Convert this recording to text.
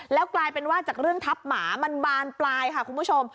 แล้วกลายเป็นว่าจากเรื่องทับหมามันบานปลายค่ะคุณผู้ชม